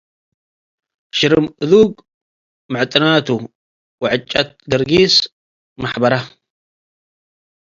ሽርም አዱግ ምዕጥናቱ ወዕጨት ገርጊስ መሐበረ